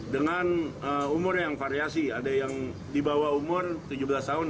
dengan umur yang variasi ada yang di bawah umur tujuh belas tahun